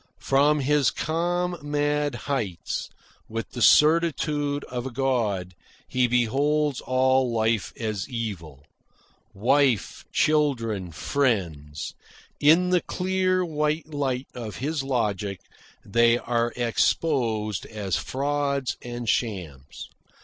From his calm mad heights, with the certitude of a god, he beholds all life as evil. Wife, children, friends in the clear, white light of his logic they are exposed as frauds and shams.